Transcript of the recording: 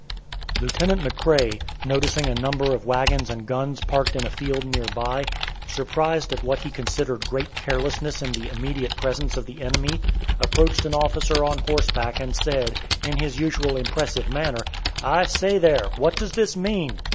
Lieutenant McRae, noticing a number of wagons and guns parked in a field near by, surprised at what he considered great carelessness in the immediate presence of the enemy, approached an officer on horseback and said, in his usual impressive manner, "I say there, what does this mean?"